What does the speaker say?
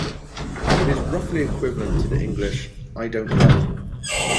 It is roughly equivalent to the English 'I don't care'.